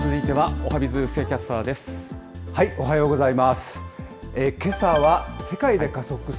おはようございます。